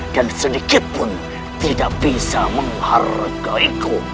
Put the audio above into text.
dan sedikit pun tidak bisa menghargaiku